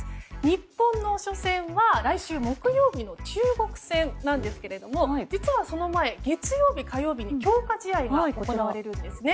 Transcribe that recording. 日本の初戦は来週木曜日の中国戦なんですけれども実はその前、月曜日、火曜日に強化試合が行われるんですね。